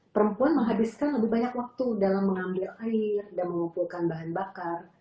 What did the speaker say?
perempuan menghabiskan lebih banyak waktu dalam mengambil air dan mengumpulkan bahan bakar